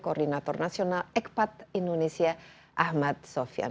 koordinator nasional ekpat indonesia ahmad sofian